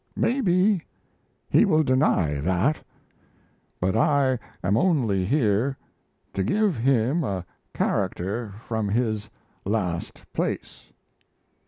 Maybe he will deny that. But I am only here to give him a character from his last place.